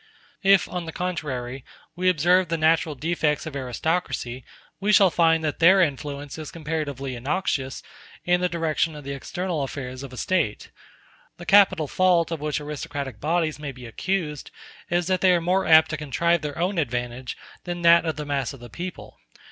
If, on the contrary, we observe the natural defects of aristocracy, we shall find that their influence is comparatively innoxious in the direction of the external affairs of a State. The capital fault of which aristocratic bodies may be accused is that they are more apt to contrive their own advantage than that of the mass of the people.